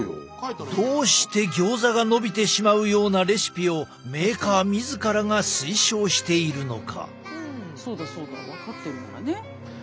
どうしてギョーザがのびてしまうようなレシピをメーカー自らが推奨しているのか。